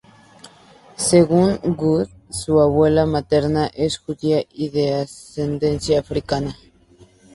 Según Good, su abuela materna es judía y de ascendencia africana.